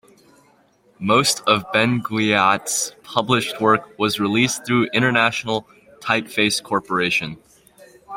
Most of Benguiat's published work was released through International Typeface Corporation.